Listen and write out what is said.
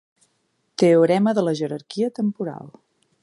Teorema de la jerarquia temporal.